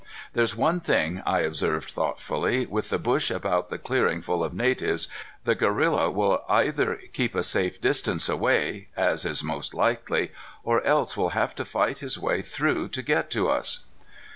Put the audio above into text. "There's one thing," I observed thoughtfully, "with the bush about the clearing full of natives, the gorilla will either keep a safe distance away as is most likely or else will have to fight his way through to get to us."